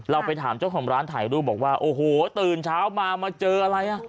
ไปถามเจ้าของร้านถ่ายรูปบอกว่าโอ้โหตื่นเช้ามามาเจออะไรอ่ะ